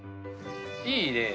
いいね。